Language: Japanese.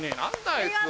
あいつは。